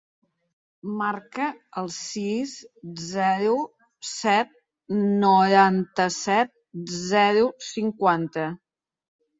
Marca el sis, zero, set, noranta-set, zero, cinquanta.